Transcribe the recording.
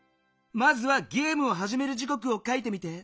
まずはゲームをはじめる時こくを書いてみて。